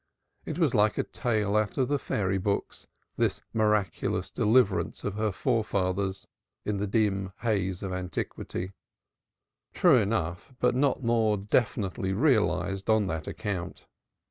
It was like a tale out of the fairy books, this miraculous deliverance of her forefathers in the dim haze of antiquity; true enough but not more definitely realized on that account.